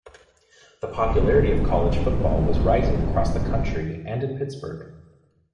The popularity of college football was rising across the country and in Pittsburgh.